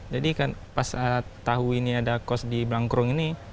jadi pas tahu ini ada kos di blangkrum